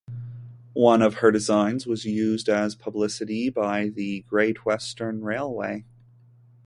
One of her designs was used as publicity by the Great Western Railway.